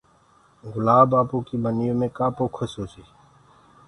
گُلآب آپوئي ٻنيو مي ڪآ پوکس هوسي